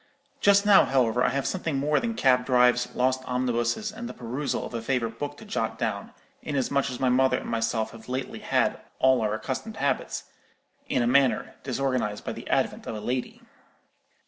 Just now, however, I have something more than cab drives, lost omnibuses, and the perusal of a favourite book to jot down, inasmuch as my mother and myself have lately had all our accustomed habits, in a manner, disorganized by the advent of a lady.